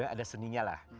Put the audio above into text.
ada seninya lah